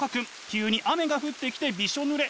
急に雨が降ってきてびしょぬれ。